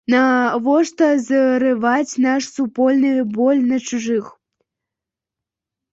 Навошта зрываць наш супольны боль на чужых?